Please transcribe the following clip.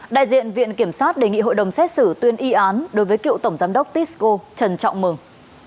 đại diện viện kiểm sát đề nghị hội đồng xét xử tuyên y án đối với cựu tổng giám đốc tisco trần trọng mừng